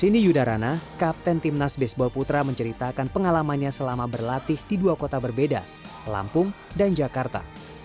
di sini yudarana kapten timnas baseball putra menceritakan pengalamannya selama berlatih di dua kota berbeda lampung dan jakarta